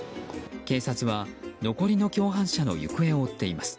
警察は残りの共犯者の行方を追っています。